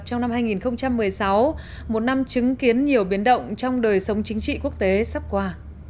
trong năm hai nghìn một mươi sáu một năm chứng kiến nhiều biến động trong đời sống chính trị quốc tế sắp qua